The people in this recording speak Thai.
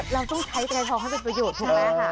เราต้องใช้กระทงให้เป็นประโยชน์ถูกไหมค่ะ